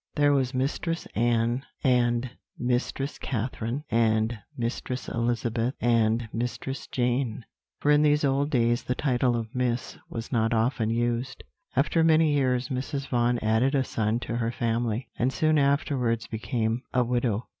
There was Mistress Anne, and Mistress Catherine, and Mistress Elizabeth, and Mistress Jane, for in these old days the title of Miss was not often used. "After many years, Mrs. Vaughan added a son to her family, and soon afterwards became a widow.